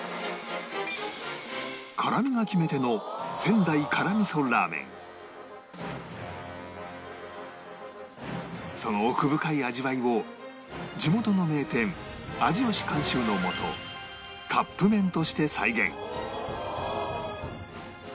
辛みが決め手のその奥深い味わいを地元の名店味よし監修のもとカップ麺として再現